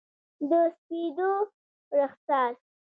د سپېدو رخسار،